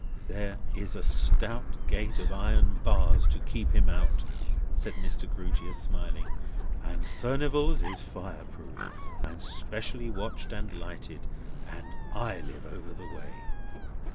"There is a stout gate of iron bars to keep him out," said Mr. Grewgious, smiling; "and Furnival's is fire proof, and specially watched and lighted, and I live over the way!"